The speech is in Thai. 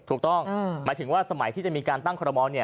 ถูกต้องหมายถึงว่าสมัยที่จะมีการตั้งขอรมด